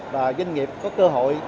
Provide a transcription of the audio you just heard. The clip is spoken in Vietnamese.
và doanh nghiệp có cơ hội